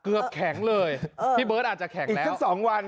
เกือบแข็งเลยพี่เบิร์ทอาจจะแข็งแล้ว